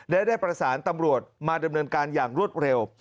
และได้ประสานตำรวจมาดำเนินการอย่างรวดเร็ว